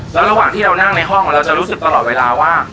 แล้วระหว่างที่เรานั่งในห้องเราจะรู้สึกตลอดเวลาว่า